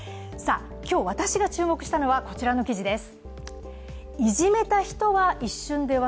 今日、私が注目したのは、こちらの記事です。